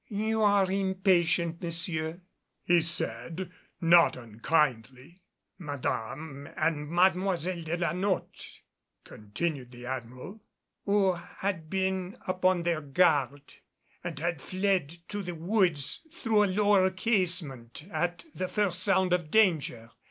"You are impatient, monsieur," he said, not unkindly. " Madame and Mademoiselle de la Notte," continued the Admiral, "who had been upon their guard and had fled to the woods through a lower casement at the first sound of danger.